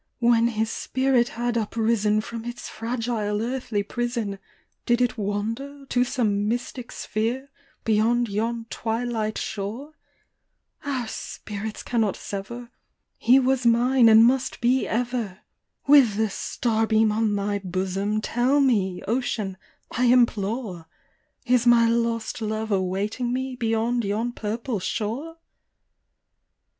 When his spirit had uprisen from its fragile earthly prison Did it wander to some mystic sphere beyond yon twi light shore ? Our spirits cannot sever : he was mine and must be ever. With the starbeam on thy bosom, tell me, ocean, I implore ; Is my lost love awaiting me beyond yon purple shore